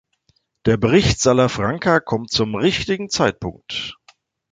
Der Bericht Salafranca kommt zum richtigen Zeitpunkt.